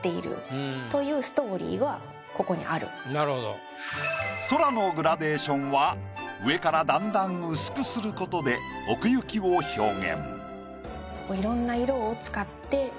特に。という空のグラデーションは上からだんだん薄くする事で奥行きを表現。